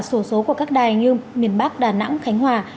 sổ số của các đài như miền bắc đà nẵng khánh hòa